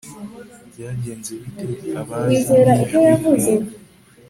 byagenze bite? abaza n'ijwi rirenga